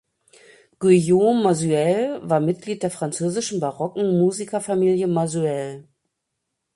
Guillaume Mazuel war Mitglied der französischen barocken Musikerfamilie Mazuel.